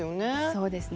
そうですね。